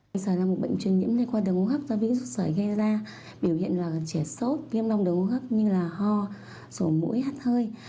bệnh sởi là một bệnh truyền nhiễm liên quan đường hô hấp do vĩ sụ sởi gây ra biểu hiện là trẻ sốt viêm lông đường hô hấp như là ho sổ mũi hắt hơi